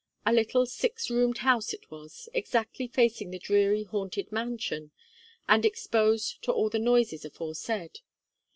A little six roomed house it was, exactly facing the dreary haunted mansion, and exposed to all the noises aforesaid.